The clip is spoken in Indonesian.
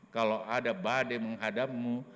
kalau ada badai menghadapmu